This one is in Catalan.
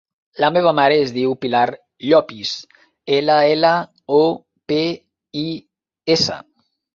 La meva mare es diu Pilar Llopis: ela, ela, o, pe, i, essa.